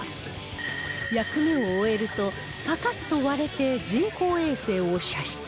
役目を終えるとパカッと割れて人工衛星を射出